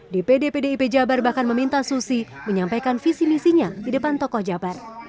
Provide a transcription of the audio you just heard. dpd pdip jabar bahkan meminta susi menyampaikan visi misinya di depan tokoh jabar